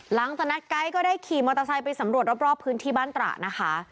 หลังจากนัดไกด์ก็ได้ขี่มอเตอร์ไซค์ไปสำรวจรอบรอบพื้นที่บ้านตระนะคะ